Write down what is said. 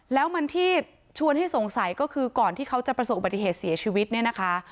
แล้วมันที่ชวนให้สงสัยก็คือก่อนที่เขาจะประสบอุบัติเหตุเสียชีวิตเนี่ยนะคะ